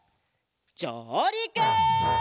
じょうりく！